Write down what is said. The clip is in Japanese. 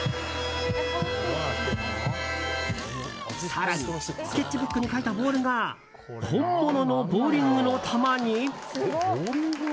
更に、スケッチブックに描いたボールが本物のボウリングの球に？